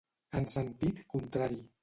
En sentit contrari.